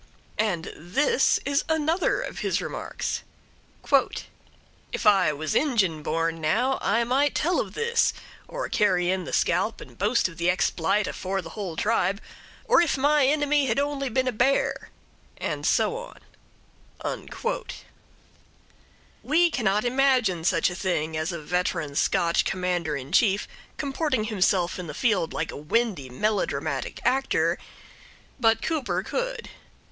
And this is another of his remarks: "'If I was Injin born, now, I might tell of this, or carry in the scalp and boast of the expl'ite afore the whole tribe; or if my inimy had only been a bear'" and so on. We cannot imagine such a thing as a veteran Scotch Commander in Chief comporting himself in the field like a windy melodramatic actor, but Cooper could.